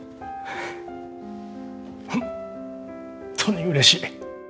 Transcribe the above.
本当にうれしい。